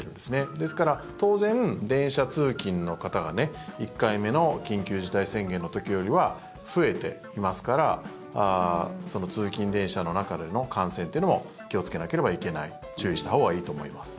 ですから当然、電車通勤の方が１回目の緊急事態宣言の時よりは増えていますからその通勤電車の中での感染というのも気をつけなければいけない注意したほうがいいと思います。